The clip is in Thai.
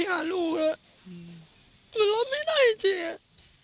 หนูรอไม่ได้จริง